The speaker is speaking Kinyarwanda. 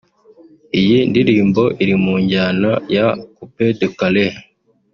Iyi ndirimbo iri mu njyana ya ’’Coupe des Carres’’